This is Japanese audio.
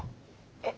えっ。